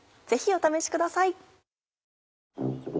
ぜひお試しください。